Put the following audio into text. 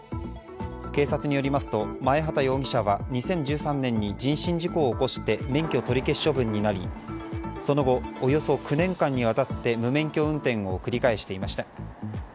警察によりますと前畑容疑者は２０１３年に人身事故を起こして免許取り消し処分となりその後、およそ９年間にわたって無免許運転を繰り返していました。